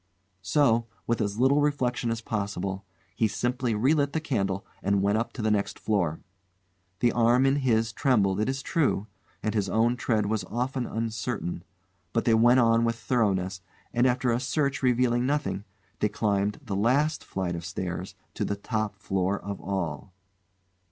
So, with as little reflection as possible, he simply relit the candle and went up to the next floor. The arm in his trembled, it is true, and his own tread was often uncertain, but they went on with thoroughness, and after a search revealing nothing they climbed the last flight of stairs to the top floor of all.